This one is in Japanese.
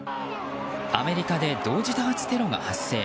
アメリカで同時多発テロが発生。